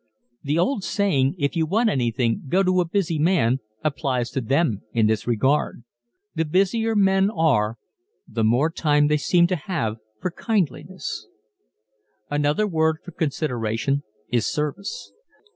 The old saying: "If you want anything go to a busy man," applies to them in this regard. The busier men are the more time they seem to have for kindliness. Another word for consideration is service.